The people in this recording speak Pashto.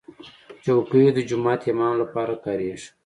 چوکۍ د جومات امام لپاره کارېږي.